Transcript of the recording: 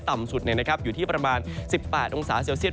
ต่ำสุดอยู่ที่ประมาณ๑๘องศาเซลเซียต